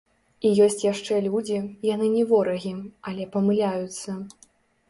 І ёсць яшчэ людзі, яны не ворагі, але памыляюцца.